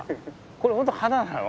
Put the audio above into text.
これ本当花なの？